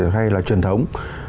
hay là truyền thống